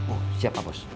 oh siap pak bos